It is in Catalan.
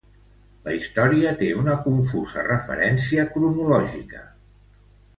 La història té una confusa referència cronològica.